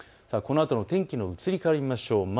このあとの天気の移り変わりを見ましょう。